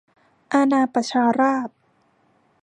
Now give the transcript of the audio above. อาณาประชาราษฎร์